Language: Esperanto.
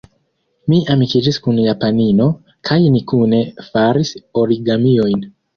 Mi amikiĝis kun japanino, kaj ni kune faris origamiojn.